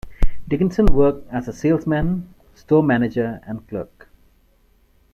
Dickinson worked as a salesman, store manager, and clerk.